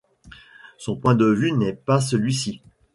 Mon point de vue n’est pas celui-ci.